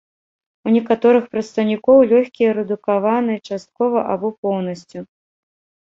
У некаторых прадстаўнікоў лёгкія рэдукаваны часткова або поўнасцю.